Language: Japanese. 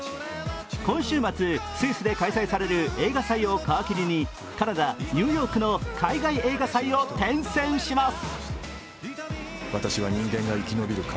今週末、スイスで開催される映画祭を皮切りに、カナダ、ニューヨークの映画祭を転戦します。